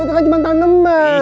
itu kan cuma tanaman